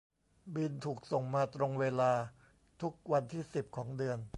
บิลถูกส่งมาตรงเวลาทุกวันที่สิบของเดือน